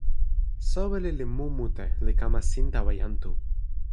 soweli li mu mute, li kama sin tawa jan Tu.